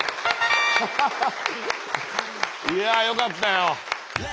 いやよかったよ。